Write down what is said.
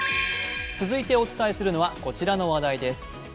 続いてお伝えするのはこちらの話題です。